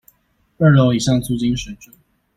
二樓以上租金水準